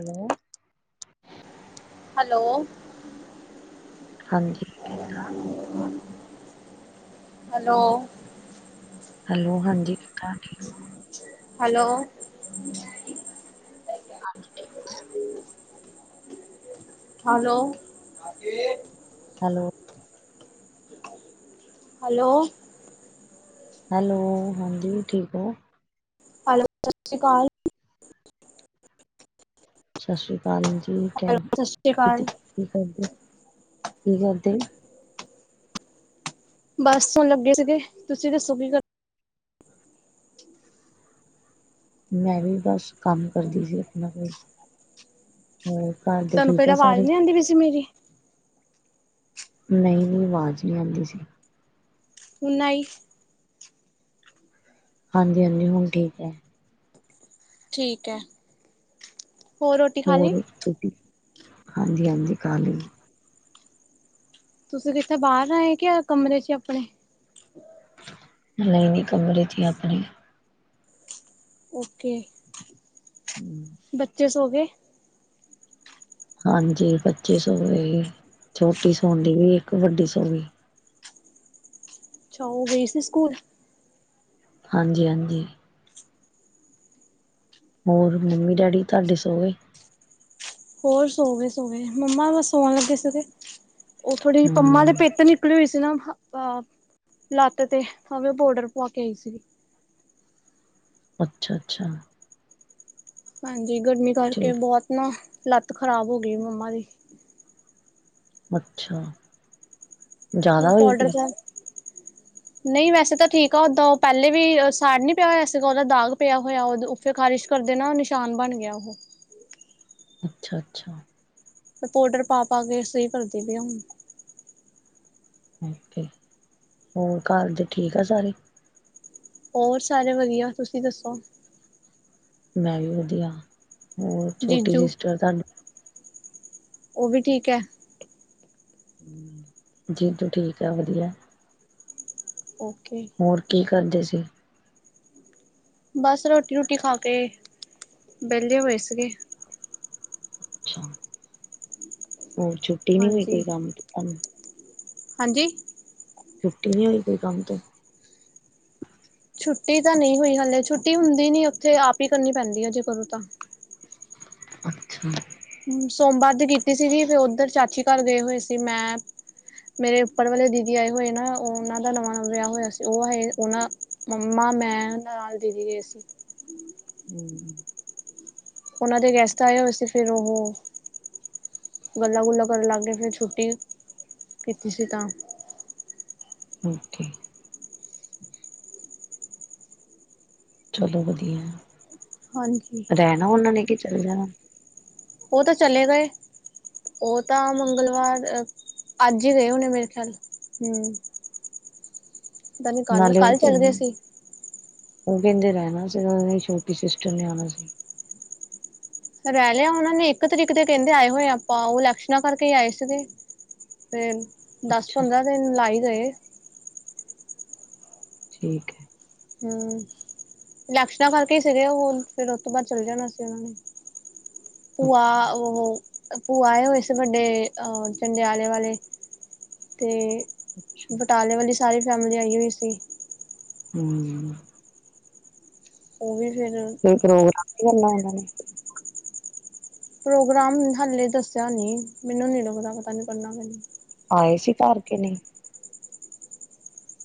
Hello hello ਹਾਂਜੀ hello hello ਹਾਂਜੀ hello [inaudible] hello hello. Hello. Hello ਹਾਂਜੀ ਠੀਕ ਹੋ। ਹੈਲੋ ਸਤਿ ਸ਼੍ਰੀ ਅਕਾਲ। ਸਤਿ ਸ੍ਰੀ ਅਕਾਲ ਜੀ ਹੈਲੋ ਕਹਿੰਦੇ ਸਤਿ ਸ਼੍ਰੀ ਕਿਤੇ ਅਕਾਲ ਕੀ ਕਰਦੇ ਕੀ ਕਰਦੇ। ਬਸ ਹੁਣ ਲੱਗੇ ਸੀਗੇ ਤੁਸੀਂ ਦੱਸੋ ਕੀ ਗੱਲ ਮੈਂ ਵੀ ਬਸ ਕੰਮ ਕਰਦੀ ਸੀ ਆਪਣਾ ਕੋਈ ਹੋ ਘਰ ਦੇ ਠੀਕ ਆ ਸਾਰੇ ਕਹਿੰਦੇ ਪੀ ਸੀ ਮੇਰੀ ਨਹੀਂ-ਨਹੀਂ ਆਵਾਜ਼ ਨਹੀਂ ਆਉਂਦੀ ਸੀ ਨਹੀਂ ਹਾਂਜੀ-ਹਾਂਜੀ ਹੁਣ ਠੀਕ ਹੈ ਠੀਕ ਹੈ ਹੋਰ ਰੋਟੀ ਖਾ ਲਈ ਹੋਰ ਤੁਸੀਂ ਹਾਂਜੀ-ਹਾਂਜੀ ਕਾਹਾਲੀ ਤੁਸੀਂ ਕਿੱਥੇ ਬਾਹਰ ਆਏ ਕਿ ਕਮਰੇ ਚ ਆਪਣੇ ਨਹੀਂ-ਨਹੀਂ ਕਮਰੇ ਚੇ ਹੀ ਆ ਆਪਣੇ ਓਕੇ ਬੱਚੇ ਹੋ ਗਏ ਹਾਂਜੀ ਪੱਚੀ ਸੌ ਵੀ ਛੋਟੀ ਸੋ ਦੀ ਵੀ ਇੱਕ ਵੱਡੀ ਸੋ ਵੀ ਅੱਛਾ ਉਹ ਗਈ ਸੀ ਸਕੂਲ ਹਾਂਜੀ-ਹਾਂਜੀ ਹੋਰ ਮੰਮੀ ਡੈਡੀ ਤੁਹਾਡੇ ਸੋ ਗਏ ਹੋਰ ਸੋ ਗ ਸੋ ਗ ਮੰਮਾ ਬਸ ਸੋਣ ਲੱਗੇ ਸੀਗੇ ਉਹ ਥੋੜੇ ਜ ਪੰਮਾ ਦੇ ਹੂੰ। ਪੇਤ ਨੀ ਨਕਲੀ ਹੋਈ ਸੀ ਨਾ ਅ ਲੱਤ ਤੇ ਭਾਵੇਂ ਉਹ ਬੋਰਡਰ ਪਾ ਕੇ ਆਈ ਸੀਗੀ ਅੱਛਾ-ਅੱਛਾ ਹਾਂਜੀ ਗਰਮੀ ਕਰਕੇ ਠੀਕ ਬਹੁਤ ਨਾ ਲੱਤ ਖ਼ਰਾਬ ਹੋ ਗਈ ਮੰਮਾ ਦੀ ਅੱਛਾ ਜ਼ਿਆਦਾ ਉਹ ਹੋਈ ਪਾੋਊਡਰ ਦਾ [inaudible] ਨਹੀਂ ਵੈਸੇ ਤਾਂ ਠੀਕ ਆ ਓਦਾਂ ਉਹ ਪਹਿਲੇ ਵੀ ਸਾੜ ਨੀ ਪਿਆ ਹੋਇਆ ਵੈਸੇ ਉਹਦਾ ਦਾਗ ਪਿਆ ਹੋਇਆ ਫਿਰ ਖ਼ਾਰਿਸ਼ ਕਰਦੇ ਨਾ ਨਿਸ਼ਾਨ ਬਣ ਗਿਆ ਉਹ ਅੱਛਾ-ਅੱਛਾ ਪਾਊਡਰ ਪਾ- ਪਾ ਕੇ ਸਹੀ ਕਰਦੀ ਪਈ ਹੁਣ। ਓਕੇ ਹੋਰ ਘਰ ਦੇ ਠੀਕ ਆ ਸਾਰੇ? ਹੋਰ ਸਾਰੇ ਵਧੀਆ! ਤੁਸੀਂ ਦੱਸੋ? ਮੈਂ ਵੀ ਵਧੀਆ ਹੋਰ ਛੋਟੀ ਜੀਜੂ ਸਿਸਟਰ ਤੁਹਾਡੀ ਉਹ ਵੀ ਠੀਕ ਏ ਜੀ ਤੂੰ ਠੀਕ ਆ ਵਧੀਆ। ਓਕੇ ਹੋਰ ਕੀ ਕਰਦੇ ਸੀ? ਬਸ ਰੋਟੀ- ਰੂਟੀ ਖਾ ਕੇ ਵਿਹਲੇ ਹੋਏ ਸੀਗੇ। ਅੱਛਾ, ਹੋਰ ਛੁੱਟੀ ਨਹੀਂ ਹੋਈ ਹਾਂਜੀ ਕੋਈ ਕੰਮ ਤੇ ਤੁਹਾਨੂੰ? ਹਾਂਜੀ? ਛੁੱਟੀ ਨਹੀਂ ਹੋਈ ਕੋਈ ਕੰਮ ਤੇ? ਛੁੱਟੀ ਤਾਂ ਨਹੀਂ ਹੋਈ ਹਾਲੇ, ਛੁੱਟੀ ਹੁੰਦੀ ਨੀ ਉੱਥੇ ਆਪ ਹੀ ਕਰਨੀ ਪੈਂਦੀ ਐ ਜੇ ਕਰੋ ਤਾਂ, ਅੱਛਾ। ਸੋਮਵਾਰ ਦੀ ਕੀਤੀ ਸੀਗੀ ਫਿਰ ਉੱਧਰ ਚਾਚੀ ਕਾਰ ਗਏ ਹੋਏ ਸੀ ਮੈਂ ਮੇਰੇ ਉੱਪਰ ਵਾਲੇ ਦੀਦੀ ਆਏ ਹੋਏ ਨਾ, ਉਹਨਾਂ ਦਾ ਨਵਾਂ-ਨਵਾਂ ਵਿਆਹ ਹੋਇਆ ਸੀ, ਉਹ ਹੈ ਉਹਨਾਂ ਮੰਮਾ, ਮੈਂ ਨਾਲ ਦੀਦੀ ਗਏ ਸੀ। ਹੁੰ। ਉਹਨਾਂ ਦੇ ਗੈਸਟ ਆਏ ਹੋਏ ਸੀ, ਫਿਰ ਉਹ ਗੱਲਾਂ ਗੁੱਲਾਂ ਕਰਨ ਲੱਗ ਗੇ ਫੇਰ ਛੁੱਟੀ ਕੀਤੀ ਸੀ ਤਾਂ ਓਕੇ। ਚਲੋ ਵਧੀਆ ਹਾਂਜੀ। ਰਹਿਣਾ ਉਹਨਾਂ ਨੇ ਕਿ ਚੱਲ ਜਾਣਾ? ਉਹ ਤਾਂ ਚਲੇ ਗਏ ਉਹ ਤਾਂ ਮੰਗਲਵਾਰ ਅੱਜ ਹੀ ਗਏ ਹੁਣੇ ਮੇਰੇ ਖਿਆਲ, ਹੁੰ। ਤਾਂ ਨੀ ਕੱਲ, ਨਾਲੇ ਕੱਲ ਚੱਲ ਗਏ ਉਹ ਸੀ? ਉਹ ਕਹਿੰਦੇ ਰਹਿਣਾ ਸੀਗਾ ਉੰਨਾ ਦੀ ਛੋਟੀ ਸਿਸਟਰ ਨੇ ਆਣਾ ਸੀ। ਰਹਿ ਲਿਆ ਉਹਨਾਂ ਨੇ ਇੱਕ ਤਰੀਕ ਦੇ ਕਹਿੰਦੇ ਆਏ ਹੋਏ ਆਪਾਂ, ਉਹ ਇਲੈਕਸ਼ਨਾਂ ਕਰਕੇ ਆਏ ਸੀਗੇ। ਤੇ ਦਸ ਅੱਛਾ ਪੰਦਰਾਂ ਦਿਨ ਲਾਈ ਗਏ। ਠੀਕ ਏ। ਹੁੰ। ਇਲੈਕਸ਼ਨਾਂ ਕਰਕੇ ਸੀਗੇ ੳਹ, ਫੇਰ ਉਸਤੋਂ ਬਾਅਦ ਚੱਲ ਜਾਣਾ ਸੀ ਉਹਨਾਂ ਨੇ। ਭੂਆ ਅੱਛਾ ਉਹ ਭੂਆ ਆਏ ਹੋਏ ਸੀ ਵੱਡੇ ਚੰਡਿਆਲੇ ਵਾਲੇ, ਤੇ ਅੱਛਾ ਬਟਾਲੇ ਵਾਲੀ ਸਾਰੀ ਫੈਮਿਲੀ ਆਈ ਹੋਈ ਸੀ। ਹੁੰ। ਉਹ ਵੀ ਫੇਰ ਕੋਈ ਪ੍ਰੋਗਰਾਮ ਵੀ ਕਰਨਾ ਇਹਨਾਂ ਨੇ? ਪ੍ਰੋਗਰਾਮ ਹਾਲੇ ਦੱਸਿਆ ਨੀ, ਮੈਨੂੰ ਨੀ ਲੱਗਦਾ ਪਤਾ ਨੀ ਕਰਨਾ ਕਿ ਨੀ ਆਏ ਸੀ ਕਾਰ ਕੇ ਨਹੀਂ?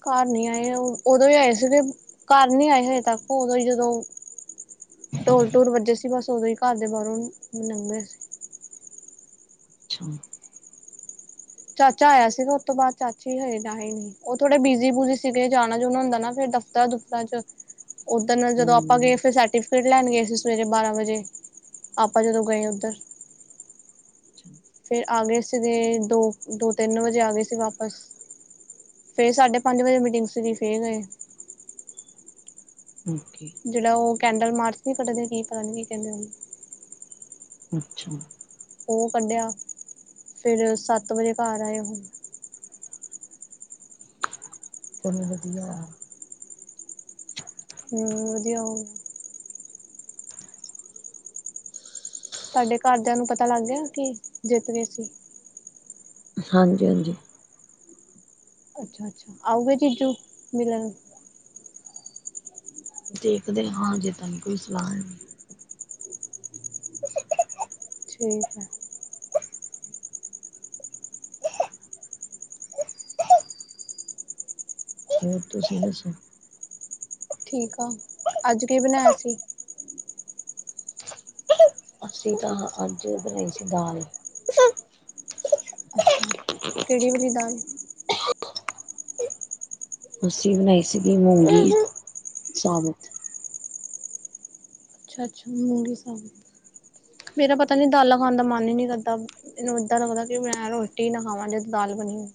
ਕਾਰ ਨਹੀਂ ਆਏ ਉਦੋਂ ਹੀ ਆਏ ਸੀਗੇ ਕਾਰ ਨੀ ਆਏ ਹਜੇ ਤੱਕ ਉਦੋਂ ਹੀ ਜਦੋਂ ਓ ਢੋਲ-ਢੂਲ ਵੱਜੇ ਸੀ, ਬਸ ਉਦੋਂ ਹੀ ਕਾਰ ਦੇ ਬਾਹਰੋਂ ਲੰਘੇ ਸੀ। ਅੱਛਾ। ਚਾਚਾ ਆਇਆ ਸੀਗਾ ਉਸਤੋਂ ਬਾਅਦ ਚਾਚੀ ਹੱਜੇ ਤਾਂ ਆਈ ਨਹੀਂ। ਉਹ ਥੋੜਾ ਬਿਜੀ-ਬੁਜੀ ਸੀ ਗੇ, ਜਾਣਾ-ਜੂਨਾਂ ਹੁੰਦਾ ਨਾ ਫੇਰ ਦਫ਼ਤਰਾਂ-ਦੁਫਤਰਾਂ ਚ। ਉਧਨ ਜਦੋਂ ਆਪਾਂ ਹੂੰ ਗਏ ਫੇਰ ਸੇਤੀ ਫਿਰ ਲੈਣ ਗਏ ਸੀ ਸਵੇਰੇ ਬਾਰਾਂ ਵਜੇ ਆਪਾਂ ਜਦੋਂ ਗਏ ਉੱਧਰ। ਅੱਛਾ। ਫੇਰ ਆ ਗਏ ਸੀਗੇ ਦੋ, ਦੋ ਤਿੰਨ ਵਜੇ ਆ ਗਏ ਸੀ ਵਾਪਸ। ਫੇਰ ਸਾਢੇ ਪੰਜ ਵਜੇ ਮੀਟਿੰਗ ਸੀਗੀ ਫੇਰ ਗਏ। ਓਕੇ। ਜਿਹੜਾ ਉਹ ਕੈਂਡਲ ਮਾਰਚ ਨਹੀਂ ਕੱਢਦੇ, ਕੀ ਪਤਾ ਨੀ ਕੀ ਕਹਿੰਦੇ ਉਹਨੂੰ। ਅੱਛਾ। ਉਹ ਕੱਢਿਆ, ਫੇਰ ਸੱਤ ਵਜੇ ਕਾਰ ਆਏ ਹੁਣ। ਚੱਲ ਵਧੀਆ। ਹੂ, ਵਧੀਆ ਹੋਰ। ਤੁਹਾਡੇ ਕਾਰਦਿਆਂ ਨੂੰ ਪਤਾ ਲੱਗ ਗਿਆ ਕਿ ਜਿੱਤ ਗਏ ਸੀ। ਹਾਂਜੀ-ਹਾਂਜੀ। ਅੱਛਾ ਅੱਛਾ ਆਉਗੇ ਜੀਜੂ ਮਿਲਣ। ਦੇਖਦੇ ਹਾਂ ਜੇ ਅਜੇ ਤਾਂ ਨੀ ਕੋਈ ਸਲਾਹ ਹੈਗੀ। ਠੀਕ ਐ। ਹੋਰ ਤੁਸੀਂ ਦੱਸੋ? ਠੀਕ ਆ, ਅੱਜ ਕੀ ਬਣਾਇਆ ਸੀ? ਅਸੀਂ ਤਾਂ ਅੱਜ ਬਣਾਈ ਸੀ ਦਾਲ। ਅੱਛਾ। ਕਿਹੜੀ ਵਾਲੀ ਦਾਲ? ਅੱਸੀ ਬਣਾਈ ਸੀਗੀ ਮੂੰਗੀ ਸਾਬਤ। ਅੱਛਾ -ਅੱਛਾ ਮੂੰਗੀ ਸਾ ਮੇਰਾ ਪਤਾ ਨਹੀਂ ਦਾਲਾਂ ਖਾਣ ਦਾ ਮਨ ਹੀ ਨਹੀਂ ਕਰਦਾ। ਮੈਨੂੰ ਏਦਾਂ ਲੱਗਦਾ ਕਿ ਮੈਂ ਰੋਟੀ ਨਾ ਖਾਵਾਂ ਜਦੋਂ ਦਾਲ ਬਣੀ ਹੋਵੇ।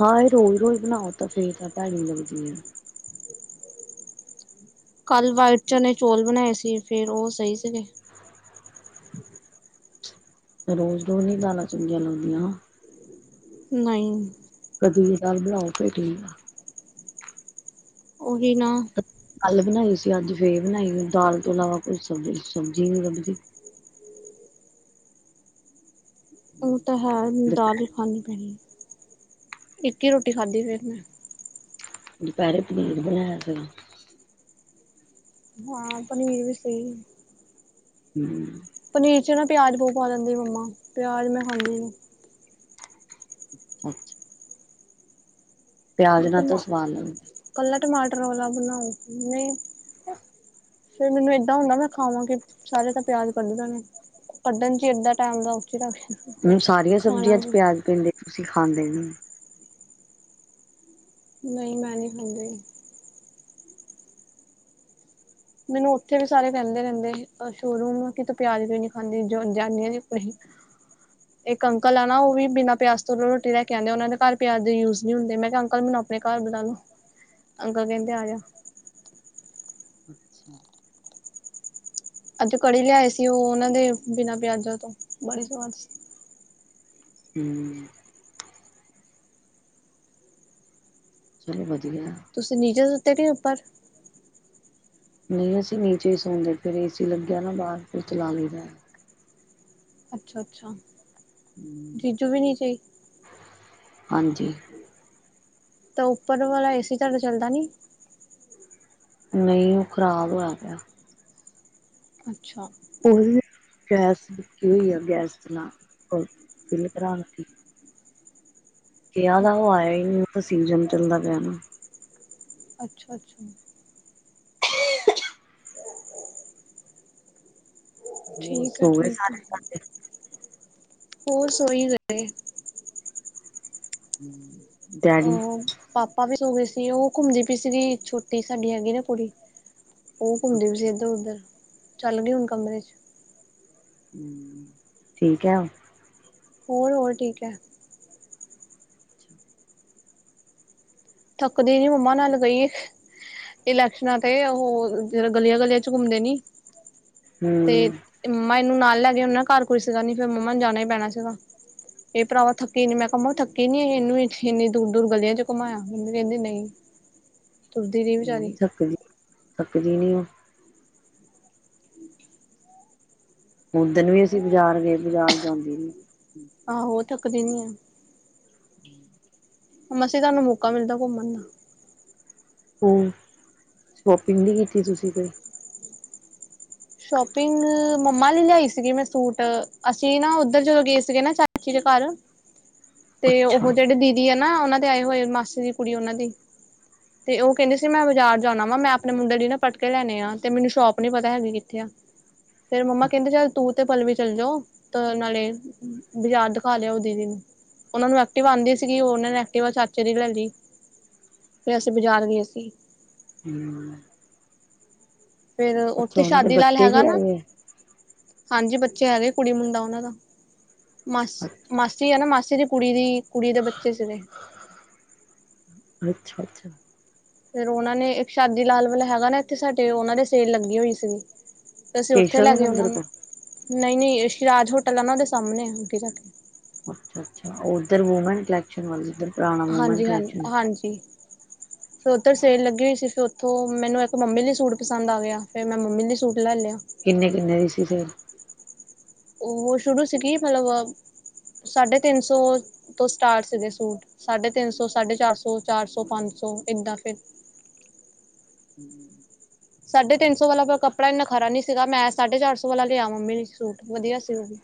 ਹਾਂ ਇਹ ਰੋਜ਼- ਰੋਜ਼ ਬਣਾਓ ਤਾਂ ਫੇਰ ਤਾਂ ਭੈੜੀ ਲੱਗਦੀ ਏ। ਕੱਲ ਵਾਈਟ -ਚਨੇ, ਚੌਲ ਬਣਾਏ ਸੀ, ਫੇਰ ਉਹ ਸਹੀ ਸੀਗੇ। ਰੋਜ਼- ਰੋਜ਼ ਨੀ ਦਾਲਾਂ ਚੰਗੀਆਂ ਲੱਗਦੀਆਂ। ਨਹੀਂ। ਕੱਦੂ ਦੀ ਦਾਲ ਬਣਾਓ ਫੇਰ ਠੀਕ ਆ। ਓਹੀ ਨਾ। ਅੱਲ ਬਣਾਈ ਸੀ ਅੱਜ ਫੇਰ ਬਣਾਈ, ਦਾਲ ਤੋਂ ਇਲਾਵਾ ਕੋਈ ਸਬ ਸਬਜ਼ੀ ਨਹੀਂ ਲੱਭਦੀ। ਉਹ ਤਾਂ ਹੈ ਦਾਲ ਹੀ ਦੁਪਹਿ ਖਾਣੀ ਪੈਣੀ, ਇੱਕ ਹੀ ਰੋਟੀ ਖਾਧੀ ਫਿਰ ਮੈਂ। ਦੁਪਹਿਰੇ ਪਨੀਰ ਬਣਾਇਆ ਸੀਗਾ। ਹਾਂ ਪਨੀਰ ਵੀ ਸੀ। ਹੂ ਪਨੀਰ ਚ ਨਾ ਪਿਆਜ ਬਹੁਤ ਪਾ ਦਿੰਦੀ ਆ ਮੰਮਾ, ਪਿਆਜ ਮੈਂ ਖਾਂਦੀ ਨੀ। ਅੱਛਾ। ਪਿਆਜ ਨਾਲ ਤਾਂ ਸਵਾਦ ਆਉਂਦਾ। ਇਕੱਲਾ ਟਮਾਟਰ ਵਾਲਾ ਬਣਾਓ, ਨਹੀਂ। ਫੇਰ ਮੈਨੂੰ ਏਦਾਂ ਹੁੰਦਾ ਮੈਂ ਖਾਵਾਂ ਕੀ, ਸਾਰੇ ਤਾ ਪਿਆਜ ਕੱਢ ਦੇਣੇ। ਕੱਢਣ ਚ ਅੱਧਾ ਟਾਈਮ ਦਾ ਉਥੇ ਲੱਗ ਜਾਂਦਾ। ਹੁਣ ਸਾਰੀਆਂ ਸਬਜ਼ੀਆਂ ਚ ਪਿਆਜ ਪੈਂਦੇ ਤੁਸੀਂ ਖਾਂਦੇ ਨੀ। ਨਹੀਂ ਮੈਂ ਨੀ ਖਾਂਦੀ। ਮੈਨੂੰ ਉੱਥੇ ਵੀ ਸਾਰੇ ਕਹਿੰਦੇ ਰਹਿੰਦੇ ਹੀ ਸ਼ੋਰੂਮ, ਕਿ ਤੂੰ ਪਿਆਜ ਕਿਉ ਨੀ ਖਾਂਦੀ ਜੈਨੀ ਹੋ ਤੁਸੀਂ? [inaudible] ਇੱਕ ਅੰਕਲ ਆ ਨਾ ਉਹ ਵੀ ਬਿਨਾਂ ਪਿਆਜ ਤੋਂ ਘਰੋਂ ਰੋਟੀ ਲੈ ਕੇ ਆਂਦੇ ਆ, ਉਹਨਾਂ ਦੇ ਘਰ ਪਿਆਜ ਯੂਜ ਨਹੀਂ ਹੁੰਦੇ ਮੈਂ ਕਿਹਾ ਅੰਕਲ ਮੈਨੂੰ ਆਪਣੇ ਘਰ ਬੁਲਾ ਲੋ, ਅੰਕਲ ਕਹਿੰਦੇ ਆਜਾ। ਅੱਛਾ। ਅੱਜ ਕੜੀ ਲਿਆਏ ਸੀ, ਉਹ ਉਹਨਾਂ ਦੇ ਬਿਨਾਂ ਪਿਆਜਾਂ ਤੋਂ ਬੜੀ ਸਵਾਦ ਸੀ। ਹੂ। ਚਲੋ ਵਧੀਆ। ਤੁਸੀਂ ਨੀਚੇ ਸੁੱਤੇ ਕਿ ਉੱਪਰ? ਨਹੀਂ ਅਸੀਂ ਨੀਚੇ ਹੀ ਸੌਦੇ, ਫਿਰ ਏ ਸੀ ਲੱਗਿਆ ਨਾ ਬਾਹਰ ਫੇਰ ਚਲਾ ਲਈਦਾ। ਅਛਾ- ਅਛਾ- ਹੂੰ। ਜੀਜੂ ਵੀ ਨਹੀ ਚਾਹੀ ਹਾਂਜੀ [unintelligible] ਤਾਂ ਉਪਰ ਵਾਲਾ ਏ ਸੀ ਤੁਹਾਡਾ ਚੱਲਦਾ ਨੀ ਨਹੀ ਉਹ ਖਰਾਬ ਹੋਇਆ ਪਿਆ ਅਛਾ- ਉਹ ਗੈਸ ਬੀ ਹੋਈ ਆ ਗੈਸ [unintelligible] ਚਲਾ ਫਿਲ ਕਰਾ ਕਿਹਾ ਦਾ ਉਹ ਆਇਆ ਹੀ ਨਹੀ ਉਹ ਤਾਂ ਸੀਜਨ ਚੱਲਦਾ ਪਿਆ ਨਾ ਅਛਾ- ਅਛਾ- ਹ [unintelligible] ਠੀਕ ਹੈ ਸੋ ਗੲ ਏ ਠੀਕ ਹੈ ਸਾਰੇ। ਸਾਡੇ ਹੋਰ ਸੂਈ ਲੱਗ ਗਈ। [inaudible] ਅਹੋ ਪਾਪਾ ਵੀ ਸੋ ਗਏ ਸੀ ਉਹ ਘੁੰਮਦੀ ਪਈ ਸੀਗੀ ਛੋਟੀ ਸਾਡੀ ਹੈਗੀ ਨਾ ਕੁੜੀ। ਉਹ ਘੁੰਮਦੇ ਪਈ ਸੀ ਅੱਛਾ ਇਧਰ- ਅੱਛਾ ਉਧਰ ਚੱਲ ਗਈ ਹੁਣ ਕਮਰੇ 'ਚ ਠੀਕ ਹੈ। ਹੋਰ- ਹੋਰ ਠੀਕ ਹੈ। ਥਕਦੀ ਨ ਮੰਮਾ ਨਾਲ ਗਈ। ਇਲੈਕਸ਼ਨਾਂ ਤੇ ਉਹ ਜ ਗਲੀਆਂ- ਗਲੀਆਂ 'ਚ ਘੁੰਮਦੇ ਨੀ। ਤੇ ਹਮ ਮੰਮਾ ਇਹਨੂੰ ਨਾਲ ਲੈ ਕੇ ਉਹ ਨਾ ਘਰ ਕੋਈ ਸੀਗਾ ਨੀ ਫੇਰ ਮੰਮਾ ਨੂੰ ਜਾਣਾ ਹੀ ਪੈਣਾ ਸੀਗਾ। ਇਹ ਭਰਾਵਾ ਥੱਕੀ ਨੀ, ਮੈਂ ਕਿਹਾ, ਮੰਮੀ ਥੱਕੀ ਨੀ ਇਹਨੂੰ ਇੰਨੀ ਦੂਰ- ਦੂਰ ਗਲੀਆਂ ਚ' ਘੁੰਮਾਇਆ। ਮੰਮੀ ਕਹਿੰਦੀ ਨਹੀਂ। ਤੁਰਦੀ ਰਹੀ ਉਹ ਵਿਚਾਰੀ ਨਹੀ ਥੱਕਦੀ, ਥੱਕਦੀ ਨੀ ਉਹ। ਓਦਣ ਵੀ ਅਸੀਂ ਬਾਜ਼ਾਰ ਗਏ, ਬਾਜ਼ਾਰ ਜਾਂਦੀ ਨੀ। ਆਹੋ, ਉਹ ਥੱਕਦੀ ਨੀ ਆ। ਹੂ [inaudible] ਮਸੇ ਤਾ ਮੌਕਾ ਮਿਲਦਾ ਘੁੰਮਣ ਨਾਲ ਹੋ ਸ਼ੋਪਿੰਗ ਨਹੀ ਕੀਤੀ ਤੁਸੀ ਕੋਈ। ਸ਼ੋਪਿੰਗ ਮੰਮਾ ਲਈ ਲਿਆਈ ਸੀਗੀ ਮੈ ਸੂਟ ਅਸੀ ਨਾ ਉਧਰ ਜਦੋਂ ਗਏ ਸੀਗੇ ਨਾ। ਅਖੀ ਦੇ ਘਰ। ਹ [inaudible] ਤੇ ਉਹ ਜਿਹੜੇ ਦੀਦੀ ਆ ਨਾ ਉਹਨਾਂ ਦੇ ਆਏ ਹੋਏ ਮਾਸੀ ਦੀ ਕੁੜੀ ਉਹਨਾਂ ਦੀ। ਤੇ ਉਹ ਕਹਿਦੇ ਸੀ ਮੈ ਬਾਜ਼ਾਰ ਜਾਣਾ ਵਾ ਮੈ ਆਪਣੇ ਮੁੰਡੇ ਲਈ ਨਾ ਪਟਕੇ ਲੈਣੇ ਆ ਤੇ ਮੈਨੂੰ ਸ਼ੋਪ ਨੀ ਪਤਾ ਹੈਗੀ। ਫਿਰ ਮੰਮਾ ਕਹਿੰਦੇ ਚੱਲ ਤੂੰ ਤੇ ਪਲਵੀ ਚੱਲ ਜਾਓ। ਤੇ ਨਾਲੇ ਬਾਜ਼ਾਰ ਦਿਖਾ ਲਿਆਓ ਦੀਦੀ ਨੂੰ। ਉਹਨਾਂ ਨੂੰ ਐਕਟਿਵ ਆਉਂਦੀ ਸੀਗੀ। ਉਹਨਾਂ ਨੇ ਐਕਟਿਵਾ ਚਾਚੇ ਦੀ ਲੈ ਲਈ। ਫਿਰ ਅਸੀਂ ਬਾਜ਼ਾਰ ਗਏ ਸੀ। ਹੂੰ- ਹੂੰ -ਹੂੰ। ਫੇਰ ਉਥੇ ਉਹਨਾਂ ਦੇ ਸ਼ਾਦੀ ਲਾਲ ਬੱਚੇ ਵੀ ਹੈਗਾ ਨਾ। ਹੈਗੇ ਹਾਂਜੀ। ਬੱਚੇ ਹੈਗੇ। ਕੁੜੀ- ਮੁੰਡਾ ਉਹਨਾਂ ਦਾ ਆ ਮਾਸੀ- ਅੱਛਾ ਮਾਸੀ ਹ ਨਾ ਮਾਸੀ ਦੀ ਕੁੜੀ ਦੀ ਕੁੜੀ ਦੇ ਬੱਚੇ ਸੀ ਨੇ। ਅੱਛਾ- ਅੱਛਾ। ਫਿਰ ਉਹਨਾਂ ਨੇ ਇਕ ਸ਼ਾਦੀ ਲਾਲ ਵੱਲ ਹੈਗਾ ਨਾ। ਇਥੇ ਸਾਡੇ ਉਹਨਾਂ ਦੇ ਸੇਰ ਲੱਗੀ ਹੋਈ ਸੀਗੀ। ਤੇ ਅਸੀ ਉਥੇ ਕੇਸ਼ਵ ਲੈ ਦੇ ਗ ਉਹਨਾਂ ਮੰਦਿਰ ਨੂੰ। ਕੋਲ ਨਹੀ- ਨਹੀ ਸ਼ਿਰਾਜ ਹੋਟਲ ਆ ਉਹ ਦੇ ਸਾਹਮਣੇ ਆ। ਅੱਗੇ ਜਾ ਕੇ ਅੱਛਾ- ਅੱਛਾ। ਉਧਰ ਵੂਮੈਨੈਕ ਕੈਲਕਸ਼ਨ ਵੱਲ। ਪੁਰਾਣਾ ਵੂਮੈਨ ਹਾਂਜੀ। ਹਾਂ, ਕਲੈਕਸ਼ਨ ਹੈ ਹਾਂਜੀ। ਫਿਰ ਉਧਰ ਸੇਰ ਲੱਗੀ ਹੋਈ ਸੀ ਫਿਰ ਉਥੋਂ ਮੈਨੂੰ ਇੱਕ ਮੰਮੀ ਲਈ ਸੂਟ ਪਸੰਦ ਆ ਗਿਆ। ਫਿਰ ਮੈਂ ਮੰਮੀ ਲਈ ਸੂਟ ਲੈ ਲਿਆ। ਕਿਨੇ- ਕਿਨੇ ਦੀ ਸੀ ਫਿਰ- ਉਹ ਸ਼ੁਰੂ ਸੀਗੀ ਮਤਲਬ ਸਾਢੇ ਤਿੰਨ ਸੌ ਤੋਂ ਸਟਾਰਟ ਸੀਗੇ। ਸੂਟ- ਸਾਢੇ ਤਿੰਨ ਸੌ, ਸਾਢੇ ਚਾਰ ਸੌ, ਚਾਰ ਸੌ ਪੰਜ ਸੌ ਇੱਦਾਂ ਫਿਰ ਹਮ। ਸਾਢੇ ਤਿੰਨ ਸੌ ਵਾਲਾ ਪਰ ਕੱਪੜਾ ਇੰਨਾ ਖਰਾ ਨੀ ਸੀਗਾ। ਮੈਂ ਸਾਢੇ ਚਾਰ ਸੌ ਵਾਲਾ ਲਿਆ ਮੰਮੀ ਲੀ ਸੂਟ ਵਦੀਆ ਸੀ। ਉ ਵੀ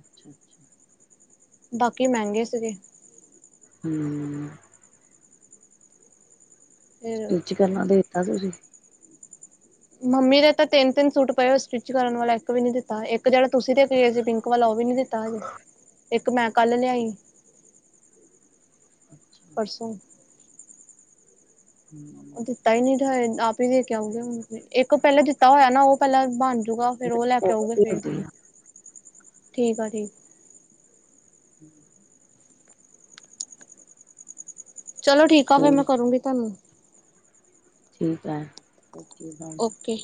ਅੱਛਾ-ਅੱਛਾ। ਬਾਕੀ ਮੈਂਗੇ ਸੀਗੇ। ਹੂੰ ਫਿਰ ਸਟੀਚ ਕਰਨਾ ਦੇ ਤਾਂ ਤੁਸੀਂ? ਮੰਮੀ ਦੇ ਤਾਂ ਤਿੰਨ-ਤਿੰਨ ਸੂਟ ਪਏ ਹੋ ਸਟਿੱਚ ਕਰਨ ਵਾਲਾ ਇੱਕ ਵੀ ਨੀ ਦਿੱਤਾ। ਏਕ ਜੇੜਾ ਤੁਸੀਂ ਦੇ ਕੇ ਗੇਸੀ ਪਿੰਕ ਵਾਲਾ ਉ ਵੀ ਨੀ ਦਿੱਤਾ। ਤਾਜੇ। ਇੱਕ ਮੈਂ ਕੱਲ ਲਿਆਈ। ਅੱਛਾ ਪਰਸੋਂ ਹੂੰ [unintelligible] ਆਪ ਈ ਦੇ ਕੇ ਆਉਗੇ ਹੁਣ ਇੱਕ ਪੈਲੇ ਦਿੱਤਾ ਹੋਇਆ ਨਾ ਉ ਪੈਲਾਂ ਬਣ ਜੂਗਾ ਫੇਰ ਉ ਲੈ ਕੇ ਆਊਗੇ ਫੇਰ ਠੀਕ ਆ ਠੀਕ ਹ [unintelligible] ਚਲੋ ਠੀਕ ਆ ਫੇਰ ਮੈਂ ਕਰੂੰਗੀ ਤਾਨੂੰ ਠੀਕ ਏ ਓਕੇ ਬਾਏ। ਕੇ